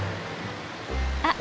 あっ！